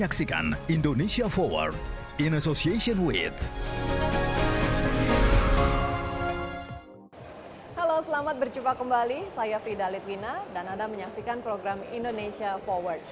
halo selamat berjumpa kembali saya frida litwina dan anda menyaksikan program indonesia forward